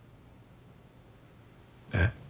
えっ？